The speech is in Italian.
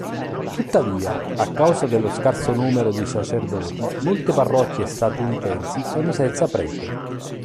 Tuttavia, a causa dello scarso numero di sacerdoti, molte parrocchie statunitensi sono senza prete.